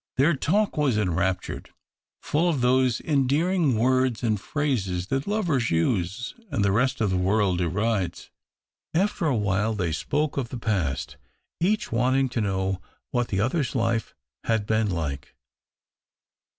Their talk was enraptured, full of those endearing words and phrases that lovers use and the rest of the world derides. After a while they spoke of the past, each wanting to know what the other's life had been like.